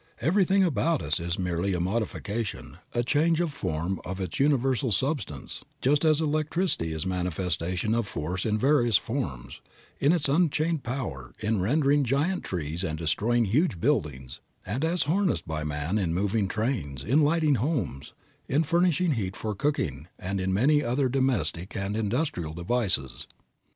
Everything about us is merely a modification, a change of form of this universal substance, just as electricity is a manifestation of force in various forms in its unchained power in rending giant trees and destroying huge buildings, and as harnessed by man in moving trains, in lighting our homes, in furnishing heat for cooking and in many other domestic and industrial devices.